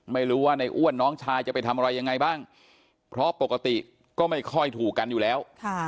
ไม่รู้ว่าในอ้วนน้องชายจะไปทำอะไรยังไงบ้างเพราะปกติก็ไม่ค่อยถูกกันอยู่แล้ว